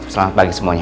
selamat pagi semuanya